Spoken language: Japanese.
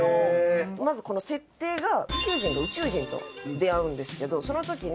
まずこの設定が地球人が宇宙人と出会うんですけどその時に。